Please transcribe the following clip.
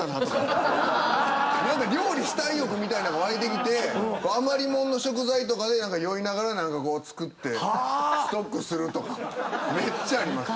何か料理したい欲みたいなんが湧いてきて余りもんの食材で酔いながらこう作ってストックするとかめっちゃあります。